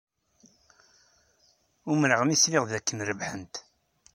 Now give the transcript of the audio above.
Umreɣ mi sliɣ dakken rebḥent.